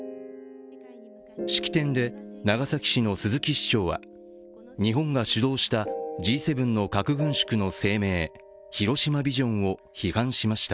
式典で、長崎市の鈴木市長は日本が主導したＧ７の核軍縮の声明、広島ビジョンを批判しました。